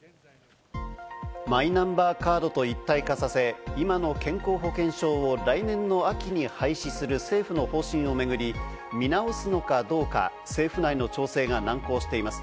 マイナンバーカードと一体化させ、今の健康保険証を来年の秋に廃止する政府の方針を巡り、見直すのかどうか、政府内の調整が難航しています。